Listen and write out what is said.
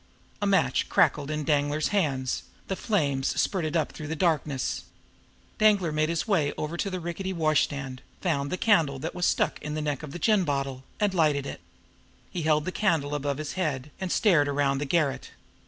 A match crackled in Danglar's hand; the flames spurted up through the darkness. Danglar made his way over to the rickety washstand, found the candle that was stuck in the neck of the gin bottle, lighted it, held the candle above his head, and stared around the garret.